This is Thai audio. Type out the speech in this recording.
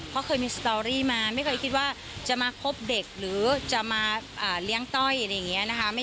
เพราะเคยมีสตอรี่มาไม่เคยคิดว่าจะมาคบเด็กหรือจะมาเลี้ยงต้อยอะไรอย่างนี้นะคะ